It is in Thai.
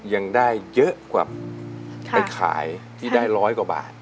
ยังได้เยอะกว่าไปขายที่ได้ร้อยกว่าบาท